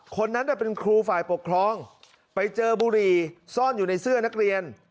คนนั้นเป็นครูฝ่ายปกครองไปเจอบุหรี่ซ่อนอยู่ในเสื้อนักเรียน